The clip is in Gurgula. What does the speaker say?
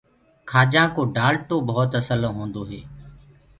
کآجآنٚ ڪو ڊآلٽو ڀوت اسل هوندو هي۔